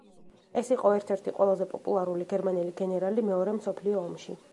ის იყო ერთ-ერთი ყველაზე პოპულარული გერმანელი გენერალი მეორე მსოფლიო ომში.